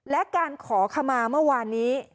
และการขอขมาเมื่อวานนี้